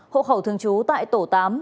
hộ khẩu thường trú tại tổ tám